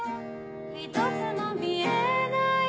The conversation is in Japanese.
ひとつも見えない